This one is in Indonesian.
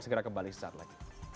segera kembali saat lagi